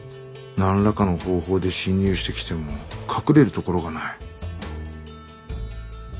何らかの方法で侵入してきても隠れる所がない。